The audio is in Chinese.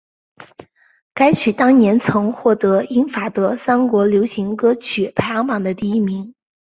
该曲当年曾获得英法德三国流行歌曲排行榜的第一名。